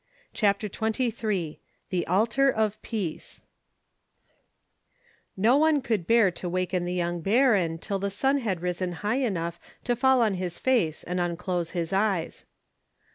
CHAPTER XXIII THE ALTAR OF PEACE NO one could bear to waken the young Baron till the sun had risen high enough to fall on his face and unclose his eyes.